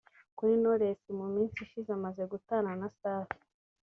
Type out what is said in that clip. Kuri Knowless mu minsi ishize amaze gutana na Safi